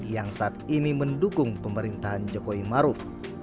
yang saat ini mendukung pemerintahan jokowi maruf